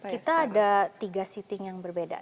kita ada tiga seating yang berbeda